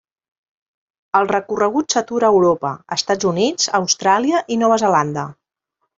El recorregut s'atura a Europa, Estats Units, Austràlia i Nova Zelanda.